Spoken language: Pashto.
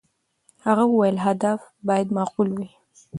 هغه وویل، هدف باید معقول وي.